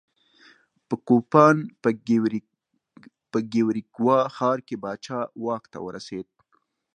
په کوپان په کیوریګوا ښار کې پاچا واک ته ورسېد.